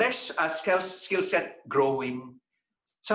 jika kita tidak memiliki kekuatan yang mengembangkan